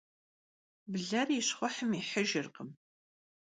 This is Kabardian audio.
Bler yi şxhuh yihıjjırkhım.